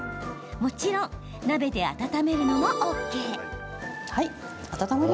もちろん鍋で温めるのもＯＫ。